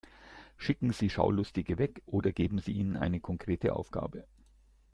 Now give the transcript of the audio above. Schicken Sie Schaulustige weg oder geben Sie ihnen eine konkrete Aufgabe.